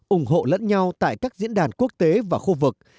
ủng hộ lẫn nhau tại các diễn đàn quốc tế và khu vực